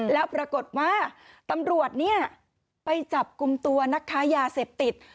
แล้วปรากฏว่าตำรวจเนี่ยไปจับกลุ่มตัวนักค้ายาเสพติด